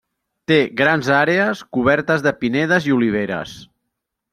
Té grans àrees cobertes de pinedes i oliveres.